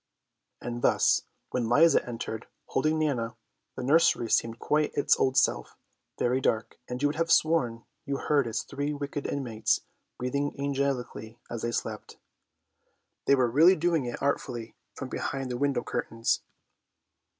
And thus when Liza entered, holding Nana, the nursery seemed quite its old self, very dark, and you would have sworn you heard its three wicked inmates breathing angelically as they slept. They were really doing it artfully from behind the window curtains.